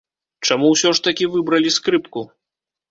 Чаму ўсё ж такі выбралі скрыпку?